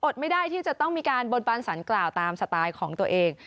ไม่ได้ที่จะต้องมีการบนบานสารกล่าวตามสไตล์ของตัวเอง